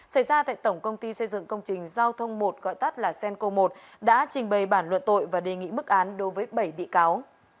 xảy ra tại tổng công ty xây dựng công trình giao thông một gọi tắt là cenco một đã trình bày bản luận tội và đề nghị mức án đối với bảy bị cáo